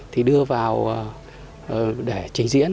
thì đưa vào để trình diễn